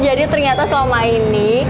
jadi ternyata selama ini